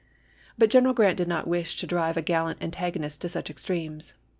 But General Grant did not wish to drive a gallant antagonist to such extremes.